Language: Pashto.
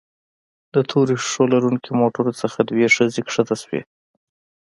د تورو ښيښو لرونکي موټر څخه دوه ښځې ښکته شوې.